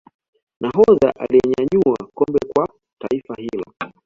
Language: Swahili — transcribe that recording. nahodha aliyenyanyua kombe Kwa taifa hilo